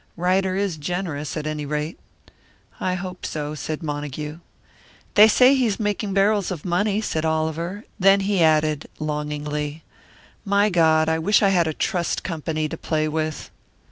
"Ryder is generous, at any rate." "I hope so," said Montague. "They say he's making barrels of money," said Oliver; then he added, longingly, "My God, I wish I had a trust company to play with!"